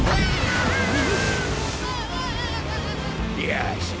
よし！